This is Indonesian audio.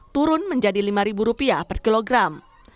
turun menjadi rp lima per kilogram